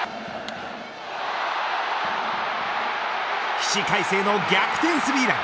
起死回生の逆転３ラン。